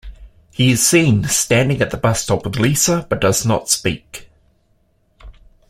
He is seen standing at the bus stop with Lisa, but does not speak.